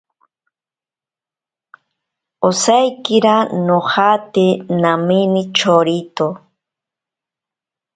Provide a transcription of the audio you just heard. Osaikira nojate namene chorito.